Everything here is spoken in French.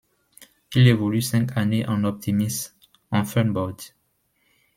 Il évolue cinq années en Optimist, en Funboard.